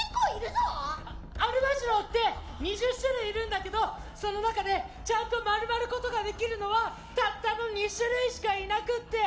あっアルマジロって２０種類いるんだけどその中でちゃんと丸まることができるのはたったの２種類しかいなくって。